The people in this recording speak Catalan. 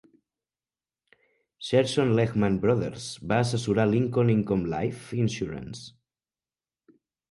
Shearson Lehman Brothers va assessorar Lincoln Income Life Insurance.